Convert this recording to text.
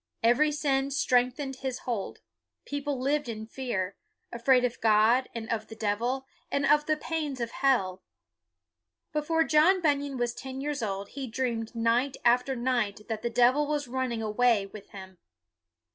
Every sin strengthened his hold. People lived in fear; afraid of God, and of the devil, and of the pains of hell. Before John Bunyan was ten years old he dreamed night after night that the devil was running away with him.